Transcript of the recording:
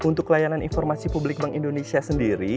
untuk layanan informasi publik bank indonesia sendiri